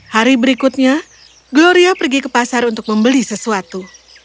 hari berikutnya gloria pergi ke pasar untuk membeli sesuatu